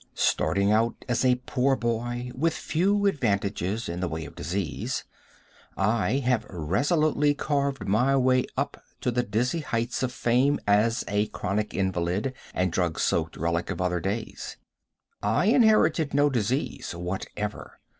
Starting out as a poor boy, with few advantages in the way of disease, I have resolutely carved my way up to the dizzy heights of fame as a chronic invalid and drug soaked relic of other days. I inherited no disease whatever.